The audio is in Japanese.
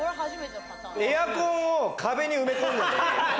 エアコンを壁に埋め込んでる。